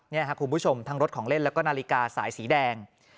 นี่ครับคุณผู้ชมทั้งรถของเล่นแล้วก็นาฬิกาสายสีแดง